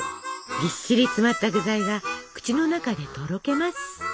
ぎっしり詰まった具材が口の中でとろけます。